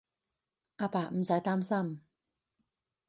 阿爸，唔使擔心